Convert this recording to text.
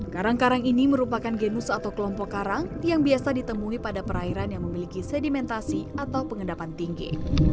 karang karang ini merupakan genus atau kelompok karang yang biasa ditemui pada perairan yang memiliki sedimentasi atau pengendapan tinggi